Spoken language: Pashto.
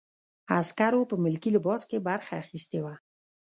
عسکرو په ملکي لباس کې برخه اخیستې وه.